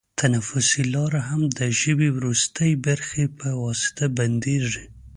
تنفسي لاره هم د ژبۍ وروستۍ برخې په واسطه بندېږي.